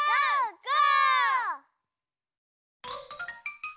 ゴー！